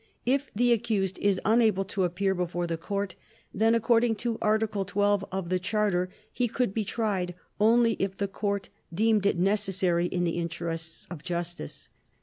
If the accused is unable to appear before the Court, then according to Article 12 of the Charter he could be tried only if the Court deemed it necessary in the interests of justice.